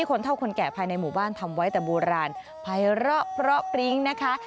คนเท่าคนแก่ภายในหมู่บ้านทำไว้แต่โบราณภัยเลาะเพราะปริ้งนะคะ